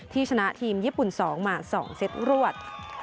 ชนะทีมญี่ปุ่น๒มา๒เซตรวด